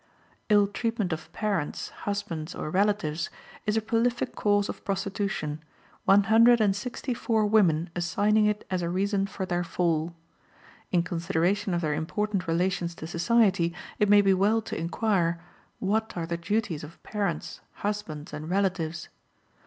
"Ill treatment of parents, husbands, or relatives" is a prolific cause of prostitution, one hundred and sixty four women assigning it as a reason for their fall. In consideration of their important relations to society, it may be well to inquire, What are the duties of parents, husbands, and relatives?